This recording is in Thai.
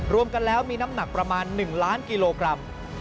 รวมกันแล้วมีน้ำหนักประมาณ๑ล้านกิโลกรัม